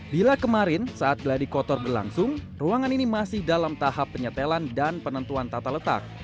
bila kemarin saat geladi kotor berlangsung ruangan ini masih dalam tahap penyetelan dan penentuan tata letak